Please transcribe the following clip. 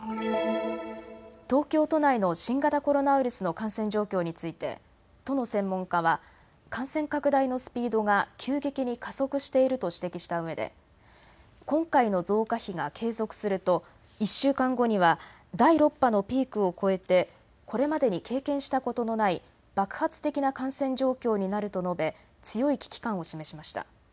東京都内の新型コロナウイルスの感染状況について都の専門家は感染拡大のスピードが急激に加速していると指摘したうえで今回の増加比が継続すると１週間後には第６波のピークを超えてこれまでに経験したことのない爆発的な感染状況になると述べ、強い危機感を示しました。